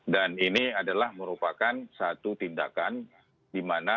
dan ini adalah merupakan satu tindakan di mana